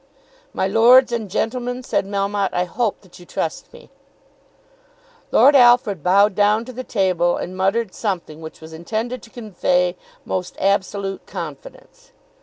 "My lords and gentlemen," said Melmotte. "I hope that you trust me." Lord Alfred bowed down to the table and muttered something which was intended to convey most absolute confidence.